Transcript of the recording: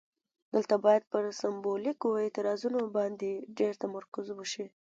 دلته باید پر سمبولیکو اعتراضونو باندې ډیر تمرکز وشي.